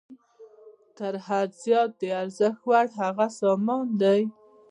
تر حد زیات د ارزښت وړ هغه سامان دی